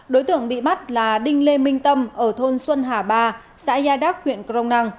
đối tượng bị bắt là đinh lê minh tâm ở thôn xuân hà ba xã yada huyện crong năng